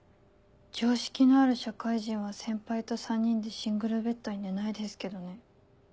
常識のある社会人は先輩と３人でシングルベッドに寝ないですけどね。